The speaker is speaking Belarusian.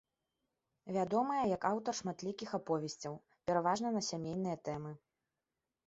Вядомая як аўтар шматлікіх аповесцяў, пераважна на сямейныя тэмы.